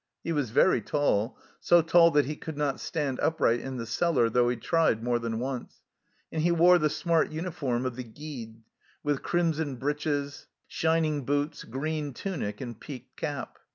He was very tall, so tall that he could not stand up right in the cellar, though he tried more than once ; and he wore the smart uniform of the Guides, with crimson breeches, shining boots, green tunic, and peaked cap.